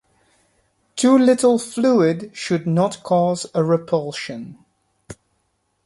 Too little fluid should not cause a repulsion.